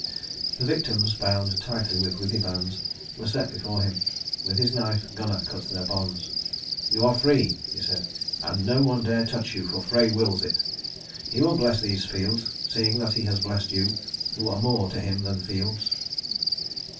The victims, bound tightly with withy bands, were set before him. With his knife Gunnar cut their bonds. "You are free," he said, "and no one dare touch you, for Frey wills it. He will bless these fields, seeing that he has blessed you, who are more to him than fields."